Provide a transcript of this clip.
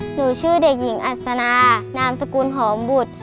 หนูชื่อเด็กหญิงอัศนานามสกุลหอมบุตร